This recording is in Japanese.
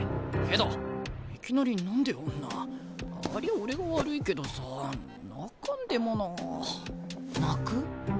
けどいきなり何であんなありゃあ俺が悪いけどさ泣かんでもなあ。泣く？